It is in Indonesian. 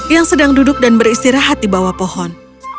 yang sedang duduk dan beristirahat di bawah pohon